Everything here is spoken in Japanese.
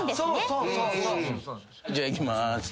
じゃいきます。